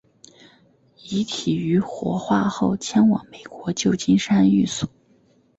遗体于火化后迁往美国旧金山寓所。